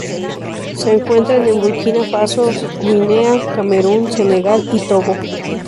Se encuentra en Burkina Faso, Guinea, Camerún, Senegal y Togo